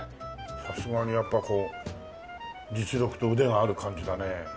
さすがにやっぱこう実力と腕がある感じだね。